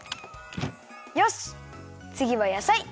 よしつぎはやさい。